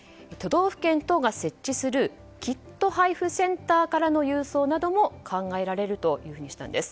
都道府県等が設置するキット配布センターからの郵送なども考えられるとしたんです。